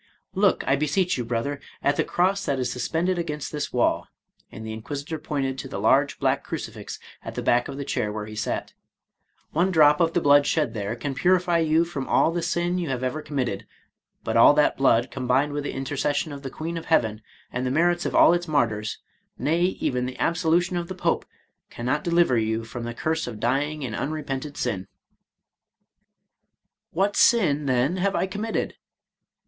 Look, I beseech you, brother, at the cross that is suspended against this wall," and the Inquisitor pointed to the large black crucifix at the back of the chair where he sat; "one drop of the blood shed there can purify you from all the sin you have ever committed ; but all that blood, combined with the in tercession of the Queen of Heaven, and the merits of all i8o Charles Robert Maturin its martyrs, nay, even the absolution of the Pope, cannot deliver you from the curse of dying in unrepented sin," — "What sin, then, have I committed?"